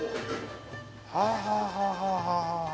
はあはあはあはあ。